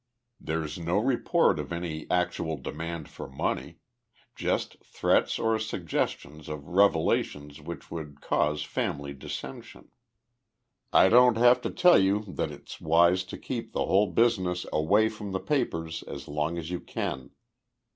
There's no report of any actual demand for money. Just threats or suggestions of revelations which would cause family dissension. I don't have to tell you that it's wise to keep the whole business away from the papers as long as you can.